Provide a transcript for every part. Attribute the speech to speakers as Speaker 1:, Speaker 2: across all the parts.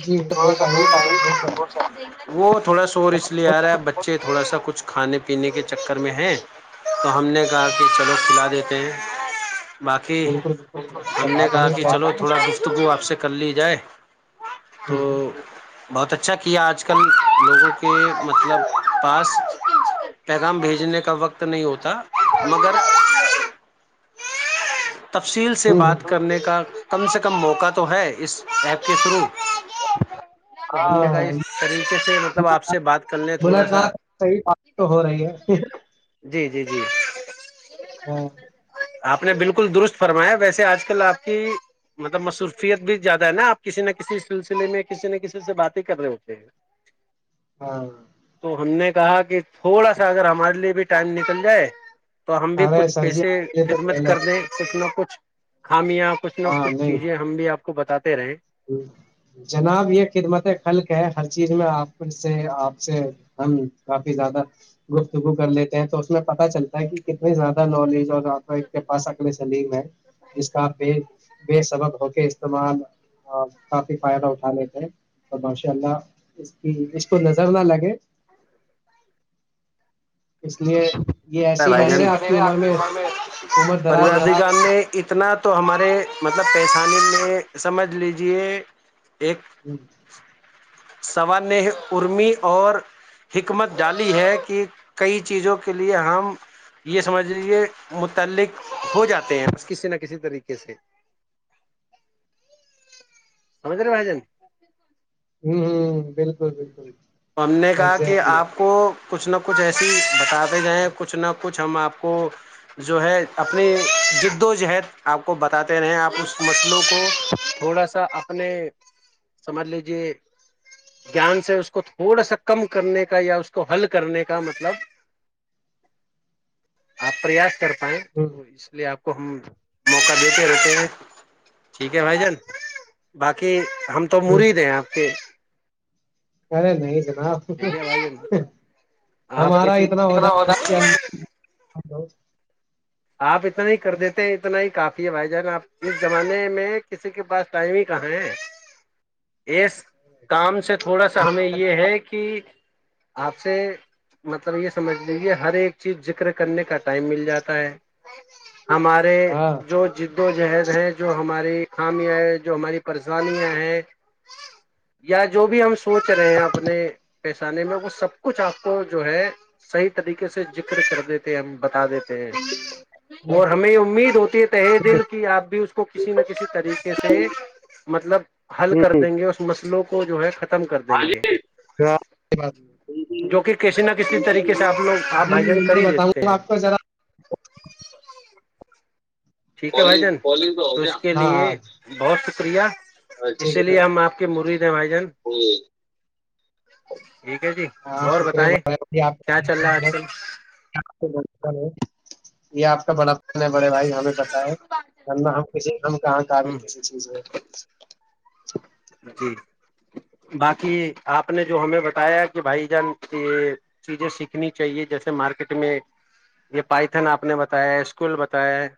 Speaker 1: جی date آئی لیکن دور سے
Speaker 2: وہ تھوڑا شور اس لیے آ رہا ہے بچے تھوڑا سا کچھ کھانے پ پینے چکر میں ہیں تو ہم نےا چلو کھلا دیتے ہیں باقی
Speaker 1: بالکل بالکل
Speaker 2: ہم
Speaker 1: سب
Speaker 2: نے
Speaker 1: آ
Speaker 2: کہا
Speaker 1: جانے کی
Speaker 2: کہ
Speaker 1: تیاری
Speaker 2: چلو
Speaker 1: تھی کچھ
Speaker 2: تھوڑا گفتگو آپ سے کر لی جائے تو بہت اچھا کیا آج کل لوگوں کے مطلب پاس پیغام بھیجنے کا وقت نہیں ہوتا مگر تفصیل
Speaker 1: ہ
Speaker 2: سے
Speaker 1: ہ
Speaker 2: بات کرنے کا کم سے کم موقع تو ہے اس ایپ کے شروع تو ہم نے کہ
Speaker 1: ہاں
Speaker 2: اس طریقے سے مطلب آپ سے بات کر لے تھوڑا سا
Speaker 1: ملاقات صحیح بات تو ہو رہی ہے
Speaker 2: جی جی جی
Speaker 1: ہاں
Speaker 2: آپ نے بالکل درست فرمایا ویسے آج کل آپ کی مطلب مصروفیت بھی زیادہ ہے نا آپ کسی نہ کسی سلسلے میں کسی نہ کسی سے باتیں کر رہے ہوتے ہیں
Speaker 1: ہاں
Speaker 2: تو ہم نے کہا کہ تھوڑا سا اگر ہمارے لیے بھی ٹائم نکل جائے تو ہم بھی
Speaker 1: ارے
Speaker 2: کچھ
Speaker 1: سر جی
Speaker 2: پیسے
Speaker 1: آپ کے لیے تو
Speaker 2: خدمت
Speaker 1: پہلے
Speaker 2: کر دیں
Speaker 1: ہے
Speaker 2: کچھنا کچھ ہم یہاں کچھ نہ کچھ چیزیں ہم بھی آپ کو بتاتے رہے
Speaker 1: ہ جناب یہ خدمت خلق ہے ہر چیز میں آپ سے آپ سے ہم کافی زیادہ گفتگو کر لیتے ہیں تو اس میں پت چلتا ہے کہ کتنی زیادہ نالج اور آپ کا کے پاس اقل سلیم ہے جس کا بے سبق ہو کے استعمال کافی فائدہ اٹھانے تھے تو ماشاء اللہ اس کی اس کو نظر نہ لگے اس لیے یہ ایسے ہی
Speaker 2: بھائی
Speaker 1: بنے
Speaker 2: جان
Speaker 1: رہے آپ
Speaker 2: آ
Speaker 1: عمر
Speaker 2: کی
Speaker 1: میں عمر دراز ہے
Speaker 2: میں گار میں اتنا تو ہمارے مطلب پیشانے میں سمجھ لیجیے
Speaker 1: جی
Speaker 2: سوال نے ارمی اور حکمت ڈالی ہے کہ کئی چیزوں کے لیے ہم یہ سمجھ لیجے متعلق ہو جاتے ہیں کسی نہ کسی طریقے سے سمجھ رہے بھائی جن
Speaker 1: ہ ہ بالکل بالکل
Speaker 2: تو ہم نے کہا کہ
Speaker 1: ایگزیکٹلی
Speaker 2: آپ کو کچھ نہ کچھ ایسی بتاتے رہیں کچھ نہ کچھ ہم آپ کو جو ہے اپنی جد و جہد آپ کو بتاتے رہے آپ اس مسئلوں کو تھوڑا سا اپنے سمجھ لیجے گیان سے اس کو تھوڑا سا کم کرنے کا یا اس کو حل کرنے کا مطلب آپ پریاس کر
Speaker 1: ہ
Speaker 2: تو اس لیے آپ کو ہم موقع دیتے ہیں روتے میں ٹھیک ہے بھائی جان باقی ہم تو مرید ہیں آپ کے
Speaker 1: ار ن ہ
Speaker 2: ٹھیک ہے بھائی جان آپ
Speaker 1: ہمارا اتنا ہو جات
Speaker 2: ہوتا
Speaker 1: کہ ہم ہلو
Speaker 2: اتنا ہی کر دیتے ہیں اتنا ہی کافی ہے بھائی جان آپ اس زمانے میں کسی کے پاس ٹائم ہی کہاں ہے اس کام سے تھوڑا سا ہمیں یہ ہے کہ آپ سے مطلب یہ سمجھ لیجیے ہر ایک چیز ذکر کرنے کا ٹائم مل جاتا ہے اچ ہمارے
Speaker 1: ہاں
Speaker 2: جو ج دو جہد ہیں جو ہماری خامیاں جو ہماری پرزانیاں ہیں یا جو بھی ہم سوچ رہے ہیں اپنے پیشانے میں وہ سب کچھ آپ کو جو ہے صحیح طریقے سے ذکر کر دیتے ہم بتا دیتے ہیں اور ہمیں امید ہوتی ہے تہ دل کہ آپ بھی اس کو کسی نہ کسی طریقے سے مطلب حل کر دیں گے اس مس اسوں کو جو ہے ختم کر
Speaker 1: ہاں
Speaker 2: دیں گے جو کہ کسی نہ کسی طریقے سے آپ لوگ آپ
Speaker 1: جی جی
Speaker 2: بھاجن کر
Speaker 1: میں
Speaker 2: ہی
Speaker 1: بتاؤں
Speaker 2: دیتے
Speaker 1: گا
Speaker 2: ہیں
Speaker 1: آپ کو ذرا
Speaker 2: حالات حاضرہآج ٹھیک ہے بھائی
Speaker 1: کالنگ
Speaker 2: جان
Speaker 1: کالنگ ہو
Speaker 2: تو اس
Speaker 1: گیا
Speaker 2: کے
Speaker 1: ہاں
Speaker 2: لیے
Speaker 1: ہاں
Speaker 2: بہت شرییہ اسی
Speaker 1: اچھا
Speaker 2: لیے ہم آپ کے مرید ہیں بھائی جان ٹھیک ہے جی
Speaker 1: ہاں
Speaker 2: اور
Speaker 1: شکریہ ب
Speaker 2: بتائیں
Speaker 1: آپ
Speaker 2: کیا چل رہا ہے آج کل
Speaker 1: یہ آپ بڑا پن ہے بڑے بھائی یہ بھیہ بتائے ہم ک کہاں کا بھیل
Speaker 2: ہ
Speaker 1: کیسی چیز ہے [unintelligible] اچھا [unintelligible]
Speaker 2: جی باقی آپ نے جو ہمیں بتایا کہ بھائی جان یہ چیزیں سیکھنی چاہیے جیسے مارکیٹ میں یہ پائتھن آپ نے بتایا ہے اسکول بتایا ہے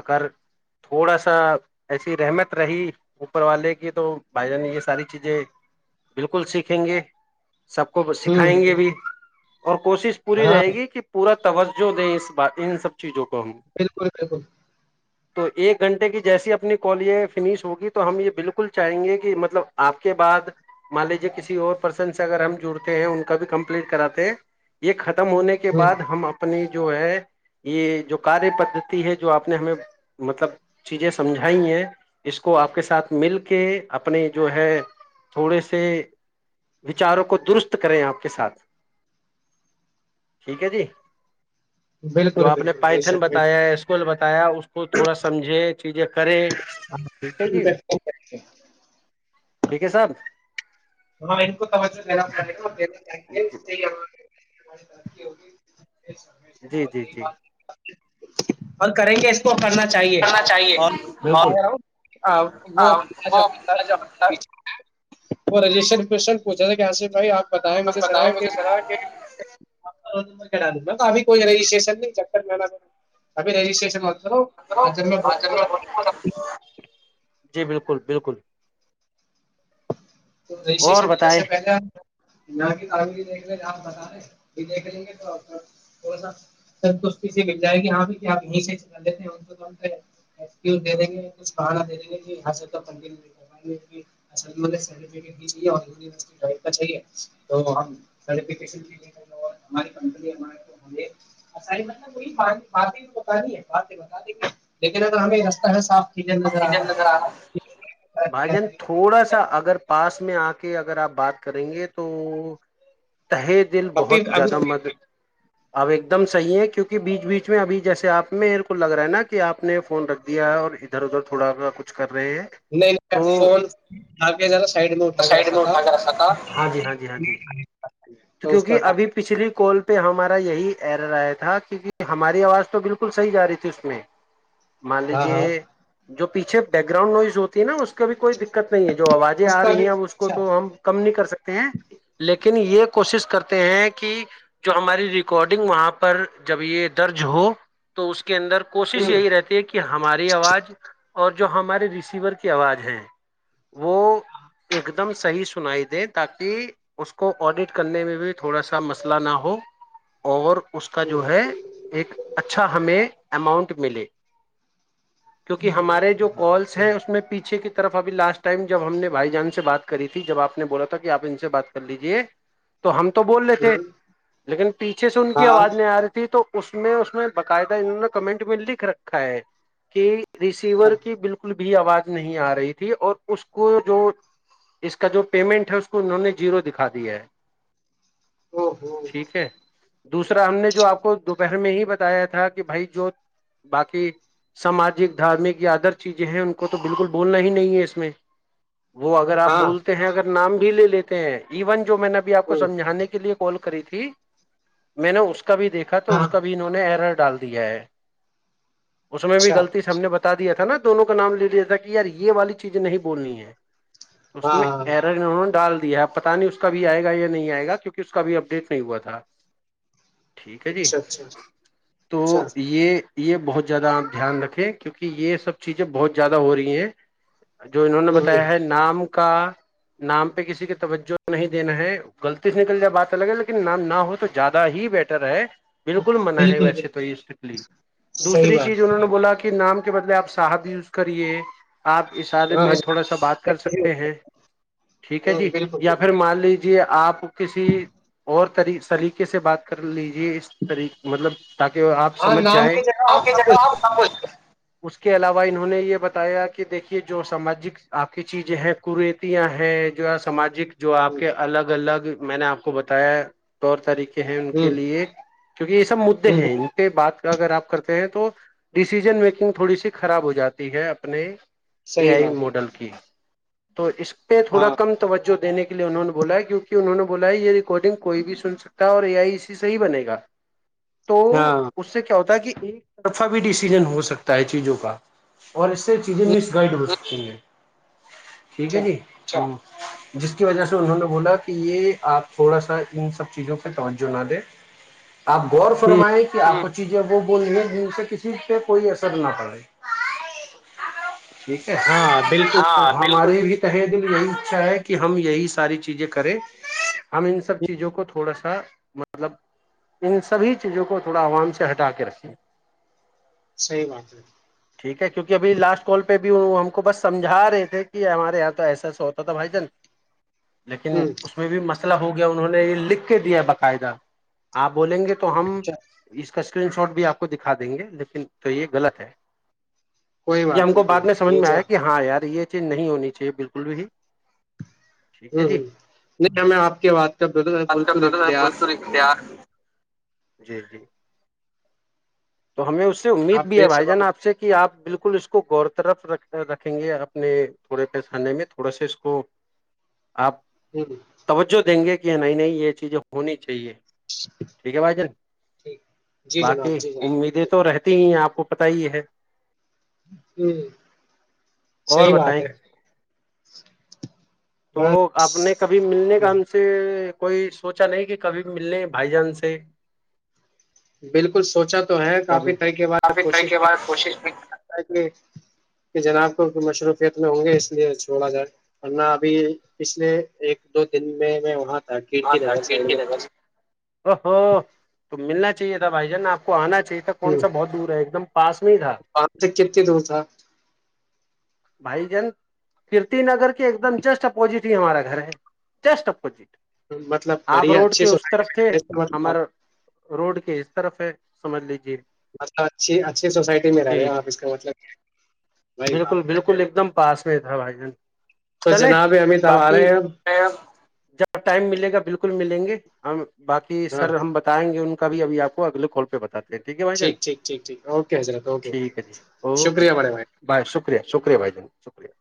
Speaker 2: اگر تھوڑا سا ایسی رحمت رہی [unintelligible] پر والے کی تو بھائی جان یہ ساری چیزیں بالکل سیکھیں گے [unintelligible] سب کو
Speaker 1: ہ
Speaker 2: سکھائیں گے بھی [unintelligible] اور کوشش پوری
Speaker 1: ہاں
Speaker 2: رہے گی کہ پورا [unintelligible] توجہ دیں اس بار ان سب چیزوں کو [unintelligible]
Speaker 1: بالکل بالکل [unintelligible]
Speaker 2: تو ایک گھنٹے کی جیسی اپنی کال یہ فینش ہوگی تو [unintelligible] ہم یہ بالکل چاہیں گے کہ مطلب آپ کے بعد مان لیجیے کسی اور پرسن سے اگر ہم جڑتے ہیں ان کا بھی کمپلیٹ کراتے ہیں یہ خطر ختم ہونے کے
Speaker 1: ہ
Speaker 2: بعد ہم اپنی [unintelligible] جو ہے یہ جو کاریہ پدتی ہے جو آپ نے ہمیں مطلب چیزیں سمجھائی ہیں اس کو آپ پ کے ساتھ مل کے اپنے جو ہے تھوڑے سے وچاروں کو درست کریں آپ کے ساتھ ٹھیک ہے جی جو
Speaker 1: بالکل
Speaker 2: آپ نے
Speaker 1: بالکل بے
Speaker 2: پائتھن
Speaker 1: شک
Speaker 2: بتایا اسکول بتایا اس کو تھوڑا سمجھے چیزیں کر [unintelligible]
Speaker 1: ہاں [unintelligible] ھ
Speaker 2: ٹھیک ہے صاحب
Speaker 1: ہاں ان کو توجہ میراے کا [unintelligible] ی [unintelligible] ہوگی [unintelligible]
Speaker 2: جی
Speaker 1: اور
Speaker 2: جی
Speaker 1: یہی
Speaker 2: جی
Speaker 1: بات
Speaker 2: [unintelligible]
Speaker 1: اور کریں گے اس کو کرنا [unintelligible] چاہیے
Speaker 2: کرنا چاہیے
Speaker 1: اور
Speaker 2: اور
Speaker 1: [unintelligible] وہ
Speaker 2: وہ
Speaker 1: [unintelligible] اور ریلیشنن پوچھا تھا کہف بھائی آپ [inaudible]
Speaker 2: آپ بتائیں مجھے ذرا کہ
Speaker 1: ا دوں گابھی کوئی رجسٹریشن نہیں جب رجسٹریشن
Speaker 2: کرو
Speaker 1: اور جب
Speaker 2: آ ج میں
Speaker 1: بول
Speaker 2: ب جی بالکل بالکل
Speaker 1: تو
Speaker 2: اور بتائے
Speaker 1: رجسٹریشنا کر نہ دیکھ لے آپ بتا رہے دیکھ لیں گے تو تھوڑا سا سنتشٹی سے مل جائے گی یہ بھی کہ آپ یہ سے لیتے ہیں کوز دے دیں گے کچھ بانا دے دیں گے ح ے تو مطلب باتیں ب لیکن اگر ہمیں رہ ہے صاف کلیئر نظر آ رہا
Speaker 2: بھجن
Speaker 1: ہے
Speaker 2: تھوڑا سا اگر پاس اس میں آ کے اگر آپ بات کریں گے تو تہ دل
Speaker 1: ابھی
Speaker 2: بہت
Speaker 1: ابھی
Speaker 2: زیادہ مر اب ایک دم صحیح ہے کیونکہ بیچ بیچ میں ابھی جیسے آپ میرے کو لگ رہا ہے نا کہ آپ نے فون رکھ دیا ہے اور ادھر ادھر تھوڑا کچ کر رہے ہیں
Speaker 1: نہیں نہیں میں
Speaker 2: تو
Speaker 1: فون آا سائڈ میں اٹھا کے
Speaker 2: سائڈ
Speaker 1: رکھا
Speaker 2: میں
Speaker 1: تھا
Speaker 2: اٹھا کے رکھا تھا ہاں جی ہاں جی ہاں جی
Speaker 1: تو اس کو
Speaker 2: کیونکہ
Speaker 1: ہٹا
Speaker 2: ابھی پچھلی کوال پ پہ ہمارا یہی ایر رہا تھا کیکہ ہماری آواز تو بالکل صحیح جا رہی تھی اس میں مان
Speaker 1: ہاں ہاں
Speaker 2: لیجے جو پیھے بیک گراؤنڈ نوز ہوتی ن اس بھی کوئی دقت نہیں ہے جو آوازیں
Speaker 1: اس
Speaker 2: آ
Speaker 1: کا
Speaker 2: رہی
Speaker 1: بھی
Speaker 2: ہیں ا اس کو
Speaker 1: اچھا
Speaker 2: تو ہم کم نہیں کر سکتے ہیں لیکن یہ کوشش کرتے ہیں کہ جو ہماری ریکارڈنگ وہاں پر جب یہ درج ہو تو اس کے کے اندر کوشش
Speaker 1: ہوں
Speaker 2: یہی رہتی ہے کہ ہماری آواز اور جو ہمارے ریسیور کی آواز ہے وہ ایک دم صحیح سنائی دیں تاکہ اس کو آڈیٹ کرنے میں بھی تھوڑا سا مسئلہ نہ ہو اور اس کا
Speaker 1: ہوں
Speaker 2: جو ہے ایک اچھا ہمیں اماؤنٹ ملے کیونکہ ہمارے جو کالس ہیں اس میں پیچھے کتنے طرف ابھی لاسٹ ٹائم جب ہم نے بھائی جان سے بات کری تھی جب آپ نے بولا تھا کہ آپ ان سے بات کر لیجیے ہم تو بول رہے تھے
Speaker 1: ہوں
Speaker 2: لیکن پیچھے سے ان کی
Speaker 1: بالکل بالکل صحیح بات۔ ہوں، ہاں
Speaker 2: آواز نہیں آ رہی تھی تو اس میں اس میں باقاعدہ انہوں نے کمنٹ میں لکھ رکھا ہے کہ ریسیور
Speaker 1: ہاں
Speaker 2: کی بالکل بھی آواز نہیں آ رہی تھی اور اس کو جو اس کا جو پیمنٹ ہے اس کو انہوں نے زیرو دکھا دیا ہے
Speaker 1: او ہو
Speaker 2: ٹھیک ہے دوسرا ہم نے جو آپ کو دوپہر میں ہی بتایا تھا کہ بھائی جو باقی ساماجک دھارمک یا ادر چیزیں ہیں ان کو تو بالکل بولنا ہی نہیں ہے اس میں وہ اگر آپ
Speaker 1: ہاں
Speaker 2: بولتے ہیں اگر نام بھی لے لیتے ہیں ایون جو میں نے آپ کو
Speaker 1: ہوں
Speaker 2: سجھانے کے لیے کال کر کری تھی میں نے اس کو کا بھی دیکھا تو
Speaker 1: ہاں
Speaker 2: اس کا بھی انہوں نے ایرٹ ڈال دیا ہے اس میں بھی
Speaker 1: اچھا
Speaker 2: غلطی س ہم نے بتا دیا تھا نا دونوں کا نام لے لیا تھا کہ یار یہ والی چیزیں نہیں بولنی ہے اس
Speaker 1: ہاں
Speaker 2: میں
Speaker 1: ہاں
Speaker 2: ایرگ ڈال [unintelligible] ہےپ پتا نہیں اس کا بھی آئے گا یہ نہیں آئے گا کیونکہ اس کا ابھی اپڈیٹ نہیں ہوا تھا ٹھیک ہے جی
Speaker 1: اچھا اچھا
Speaker 2: تو
Speaker 1: اچھا
Speaker 2: یہ یہ بہت زیادہ آپ دھیان رکھیں کیونکہ یہ سب چیزیں بہت زیادہ ہو رہی ہیں جو انہوں نے
Speaker 1: ہوں ہوں
Speaker 2: بتایا ہے نام کا نام پہ کسی کا توجہ نہیں دینا ہے غلطی سے نکل جائے بات الگ ہے لیکن نام نہ ہو تو زیادہ ہی بیٹر ہے
Speaker 1: ہاں،
Speaker 2: بالکل منع ہے
Speaker 1: بالکل
Speaker 2: ویسے تو
Speaker 1: بالکل
Speaker 2: یہ سیک لی
Speaker 1: صحیح
Speaker 2: دوسری
Speaker 1: بات
Speaker 2: چیز انہوں نے بولا کہ نام کے بدلے آپ سحب یوز کریے آپ اشارے
Speaker 1: ہاں
Speaker 2: میں تھوڑا سا بات کر سکتے ہیں ٹھیک ہے
Speaker 1: ہاں
Speaker 2: جی
Speaker 1: بالکل
Speaker 2: یا
Speaker 1: بالکل
Speaker 2: پھر مان لیج آپ کسی اور سریقے سے بات کر لیجی یہ اس طریق مطلب تاکہ آپ
Speaker 1: ہاں
Speaker 2: سمجھ
Speaker 1: نام کی
Speaker 2: جائیںھ
Speaker 1: جگہ آپ سب کچھ
Speaker 2: اس کے علاوہ انہوں نے یہ بتایا کہ دیکھیے جو سماجک آپ کی چیزیں ہیں قرییتیاں ہیں جو ہے ساماجک جو آ
Speaker 1: ہوں
Speaker 2: کہ الگ الگ [unintelligible] میں نے آپ کو بتایا ہے طور طریقے [unintelligible] ہیں ان کے
Speaker 1: ہوں
Speaker 2: لیے [unintelligible] کیونکہ یہ سب مدے
Speaker 1: ہوں،
Speaker 2: ہیں ان پہ بات کا اگر آپ کرتے ہیں تو ڈسیژن میکنگ تھوڑی سی خراب ہو جاتی ہے اپنے ا
Speaker 1: صحیح
Speaker 2: آئی
Speaker 1: بات ہے
Speaker 2: ماڈل کی تو اس [unintelligible] پہ تھوڑا
Speaker 1: ہاں
Speaker 2: کم توجہ دینے کے [unintelligible] ل نان [unintelligible] بولا کیونکہ انہوں نے بولا یہ ریکارڈنگ کوئی بھی سن سکتا ہے اور یہ آئی اسی صحی بنے گا تو
Speaker 1: ہاں
Speaker 2: اس سے کیا ہوتا ہے کہ ایک طرفہ بھی ڈیسیزن ہو سکتا ہے چیزوں کا اور اس سے چیزیں
Speaker 1: ہوں،
Speaker 2: مس گائڈ ہو [unintelligible] [inaudible] ٹھیک ہے
Speaker 1: اچھا
Speaker 2: جی چل جس کی وجہ سے انہوں نے بولا کہ یہ آپ تھوڑا سا ان سب چیزوں پہ توجہ نہ دیں آپ غور
Speaker 1: ہوں،
Speaker 2: فرمائیں کہ آپ سے کسی پہ کوئی اثر نہ پڑے ٹھیک ہے
Speaker 1: ہاں بالکل
Speaker 2: ہماری بھی تہ دل یہی اچھا ہے کہ ہم یہی سے ساری چیزیں کریں ہم ان سب چیزوں کو تھوڑا مطلب ان سبھی چیزوں کو تھوڑا عوام سے ہٹا کے رکھیے
Speaker 1: صحیح بات ہے
Speaker 2: ٹھیک ہے کیونکہ ابھی لاسٹ کال پہ ہم کو بس سمجھا رہے تھے کہ ہمارے یہاں تو ایسا ایسا ہوتا تھا بھائی جان لیکن
Speaker 1: ہوں
Speaker 2: اس میں بھی مست لا ہو گیا انہوں نے یہ لکھ کے دیا باقاعدہ آپ بولیں گے تو تو ہم
Speaker 1: چل
Speaker 2: اس اس کا اسکرین شاٹ بھی آپ کو دکھا دیں گے لیکن تو یہ غط ہے
Speaker 1: کوئی
Speaker 2: یہ ہم
Speaker 1: بات
Speaker 2: کو
Speaker 1: نہیں کوئی
Speaker 2: بعد میں
Speaker 1: بات
Speaker 2: سمجھ
Speaker 1: نہیں
Speaker 2: میں
Speaker 1: جو
Speaker 2: آیا کہ ہاں یار یہ نہیں ہونی چاہیے بالکل بھی ٹھیک ہے جی
Speaker 1: نہیں ہمیں آپ کے بات کا
Speaker 2: آپ کا
Speaker 1: بالکل اختیار
Speaker 2: اختیار جی جی تو ہمیں اس
Speaker 1: آپ
Speaker 2: امید بھی ہے
Speaker 1: بے
Speaker 2: بھائی
Speaker 1: شباب
Speaker 2: جان آ سے کہ آپ بالکل اس کو اس کو غور طرف رکھ رکھیں گے اپنے تھوڑے پیسانے میں تھوڑا اس کو آپ
Speaker 1: ہ
Speaker 2: توجہ دیں گے کہ نہیں نہیں یہ چیزیں ہونی چاہیے ٹھیک ہے بھائی جن
Speaker 1: ٹھیک جی جناب
Speaker 2: باقی
Speaker 1: جی
Speaker 2: امیدیں
Speaker 1: جناب
Speaker 2: تو رہتی ہی آپ کو پت ہی ہے
Speaker 1: صی
Speaker 2: اور
Speaker 1: بات
Speaker 2: بتائیں
Speaker 1: ہے
Speaker 2: تو
Speaker 1: بس
Speaker 2: آپ نے کبھی ملنے کا ہم سے کوئی سوچا نہیں کہ کبھی بھی ملنے بھائی جان سے
Speaker 1: بالکل سوچا تو ہے کافی
Speaker 2: کبھی
Speaker 1: طریقے بار
Speaker 2: کافی طرح
Speaker 1: کوشش
Speaker 2: کے بعد کوشش بھی
Speaker 1: کہ جناب کو مشروفیت میں ہوں گے اس لیے چھوڑا جائے ورنہ ابھی پچھلے ایک دو دن میں میں وہاں تھا
Speaker 2: اں
Speaker 1: کھڑکی نگر سائڈ میں
Speaker 2: تو ملنا چاہیے تھا بھائی جان آپ کو آنا چ یہ تھا
Speaker 1: ہ
Speaker 2: کون سا بہت دور ہے ایک دم پاس میں ہی تھا
Speaker 1: وہاں سے کتنی دور تھا
Speaker 2: بھائی جن کیرتی نگر کے ایک دم جسٹ اپوزٹ ہی ہمارا گھر ہے جسٹ اپوزٹ
Speaker 1: مطلب
Speaker 2: آپ
Speaker 1: بڑی
Speaker 2: روڈ
Speaker 1: اچھی
Speaker 2: کے اس طرف تھے
Speaker 1: سوسائٹی میں،
Speaker 2: ہمار روڈ کے اس طرف ہے سمجلی
Speaker 1: مطلب اچھی اچھی سوسائٹی میں رہ رہے
Speaker 2: جی
Speaker 1: ہیں آپ اس کا مطلب بھائی
Speaker 2: بالکل
Speaker 1: بات کیا کہہ رہے
Speaker 2: بالکل
Speaker 1: ہیں۔
Speaker 2: ایک دم پاس میں تھا بھائی جان
Speaker 1: تو
Speaker 2: چلے
Speaker 1: جناب امت آپ آ
Speaker 2: باقی
Speaker 1: رہے ہیں اب؟
Speaker 2: جب ٹائم ملے گا بالکل ملیں گے ہم باقی
Speaker 1: ہاں
Speaker 2: سر ہم بتائیں گے ان بھی اب آپ کو اگل کھال پہ بتااتے
Speaker 1: ٹھیک ٹھیک ٹھیک ٹھ اوکے حضرت اوکے شکریہ بڑے بھائی
Speaker 2: بھائی شکریہ شکریہ بھائی شکریہ